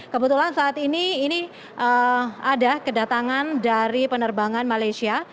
kebetulan saat ini ini ada kedatangan dari penerbangan malaysia